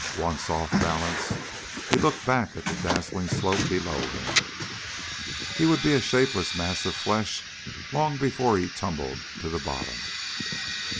Once, off balance, he looked back at the dazzling slope below him. He would be a shapeless mass of flesh long before he tumbled to the bottom.